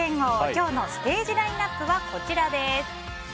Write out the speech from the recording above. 今日のステージラインアップはこちら。